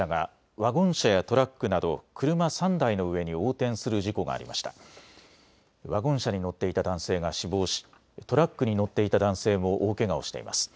ワゴン車に乗っていた男性が死亡し、トラックに乗っていた男性も大けがをしています。